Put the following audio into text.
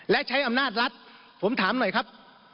และใช้อำนาจรัฐผมถามหน่อยครับ